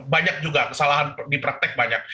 banyak juga kesalahan di praktek banyak